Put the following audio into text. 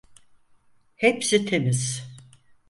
Hepsi temiz.